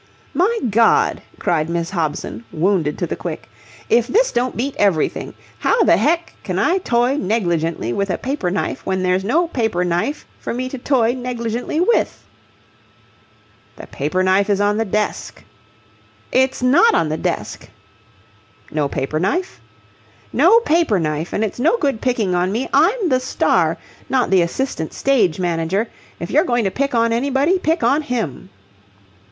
"My God!" cried Miss Hobson, wounded to the quick. "If this don't beat everything! How the heck can I toy negligently with a paper knife when there's no paper knife for me to toy negligently with?" "The paper knife is on the desk." "It's not on the desk." "No paper knife?" "No paper knife. And it's no good picking on me. I'm the star, not the assistant stage manager. If you're going to pick on anybody, pick on him."